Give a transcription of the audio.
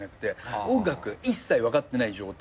音楽一切分かってない状態みたいな。